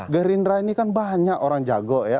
gerindra ini kan banyak orang jago ya